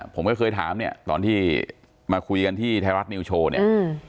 ผมก็เคยถามเนี่ยตอนที่มาคุยกันที่ไทยรัฐนิวโชว์เนี่ย